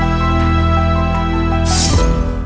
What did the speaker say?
ขอบคุณทุกคน